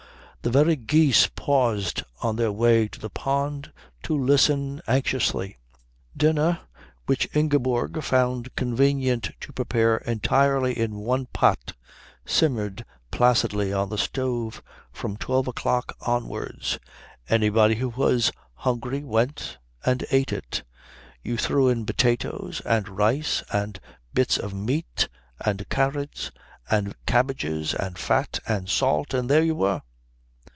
The very geese paused on their way to the pond to listen anxiously. Dinner, which Ingeborg found convenient to prepare entirely in one pot, simmered placidly on the stove from twelve o'clock onwards. Anybody who was hungry went and ate it. You threw in potatoes and rice and bits of meat and carrots and cabbages and fat and salt, and there you were.